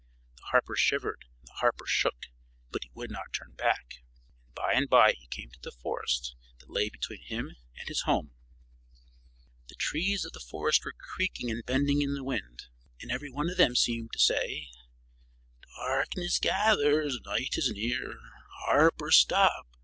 The harper shivered and the harper shook, but he would not turn back; and by and by he came to the forest that lay between him and his home. The trees of the forest were creaking and bending in the wind, and every one of them seemed to say: "Darkness gathers, night is near; Harper, stop!